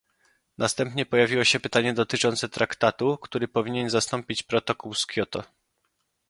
Następnie pojawiło się pytanie dotyczące traktatu, który powinien zastąpić protokół z Kioto